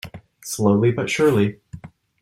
Slowly but surely.